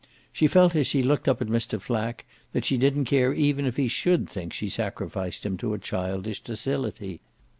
She felt as she looked up at Mr. Flack that she didn't care even if he should think she sacrificed him to a childish docility.